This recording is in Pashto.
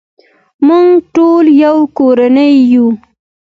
موږ ټول یو کورنۍ یو.